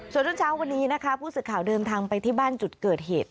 ส่วนรุ่นเช้าวันนี้นะคะผู้สื่อข่าวเดินทางไปที่บ้านจุดเกิดเหตุ